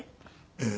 ええ。